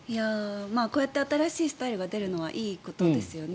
こうやって新しいスタイルが出るのはいいことですよね。